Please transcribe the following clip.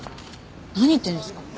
何言ってるんですか。